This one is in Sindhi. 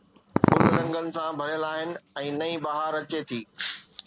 گل رنگن سان ڀريل آهن ۽ نئين بهار اچي ٿي